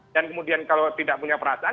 kemudian kalau tidak punya perasaan